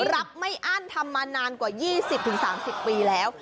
รับไม่อั้นทำมานานกว่า๒๐๓๐ปีแล้ว